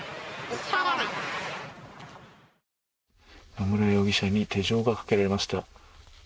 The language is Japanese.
野村容疑者に手錠がかけられました。